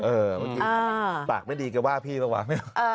เออปากไม่ดีเขาว่าพี่หรือเปล่า